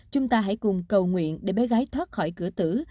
chúng ta hãy cùng cầu nguyện để bé gái thoát khỏi cửa tử